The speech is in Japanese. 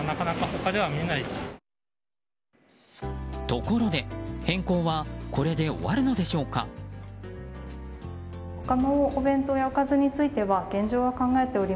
ところで、変更はこれで終わるのでしょうか。